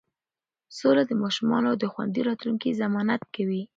سوله د ماشومانو د خوندي راتلونکي ضمانت کوي.